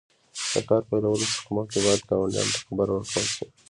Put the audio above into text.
د کار پیلولو څخه مخکې باید ګاونډیانو ته خبر ورکړل شي.